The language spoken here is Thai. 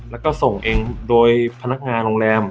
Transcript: แล้วก็ส่งเองโดยพนักงานโรงแรม